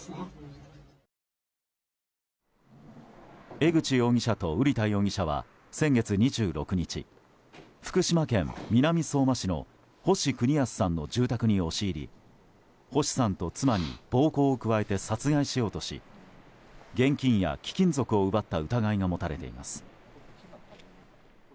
江口容疑者と瓜田容疑者は先月２６日福島県南相馬市の星邦康さんの住宅に押し入り星さんと妻に暴行を加えて殺害しようとし現金や貴金属を奪った疑いが持たれています。